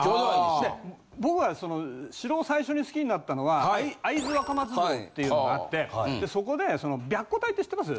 僕は城を最初に好きになったのは会津若松城っていうのがあってそこで白虎隊って知ってます？